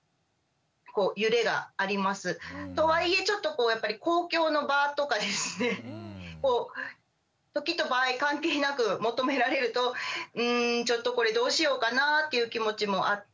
とはいえちょっとやっぱり公共の場とかですね時と場合関係なく求められるとうんちょっとこれどうしようかなぁっていう気持ちもあって。